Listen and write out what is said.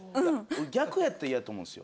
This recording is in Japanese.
逆やったらイヤと思うんですよ。